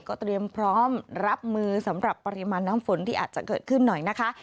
เตรียมพร้อมรับมือสำหรับปริมาณน้ำฝนที่อาจจะเกิดขึ้นหน่อยนะคะ